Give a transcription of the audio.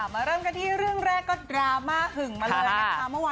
เริ่มกันที่เรื่องแรกก็ดราม่าหึงมาเลยนะคะ